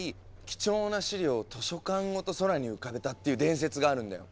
貴重な資料を図書館ごと空に浮かべたっていう伝説があるんだよ。